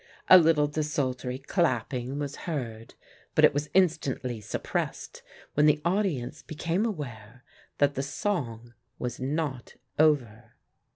A little desultory clapping was heard, but it was instantly suppressed when the audience became aware that the song was not over.